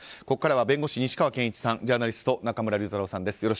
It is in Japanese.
ここからは弁護士の西川研一さんジャーナリストの中村竜太郎さんです。